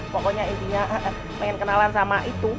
pokoknya intinya pengen kenalan sama itu